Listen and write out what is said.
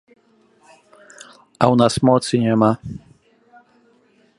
А ў нас моцы няма.